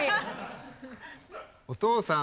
お父さん。